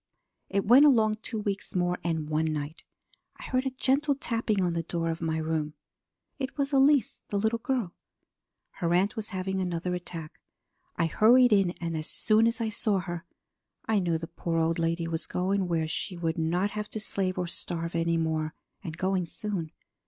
"It went along two weeks more, and one night I heard a gentle tapping on the door of my room. It was Elise, the little girl. Her aunt was having another attack. I hurried in, and as soon as I saw her I knew the poor old lady was going where she would not have to slave and starve any more, and going soon.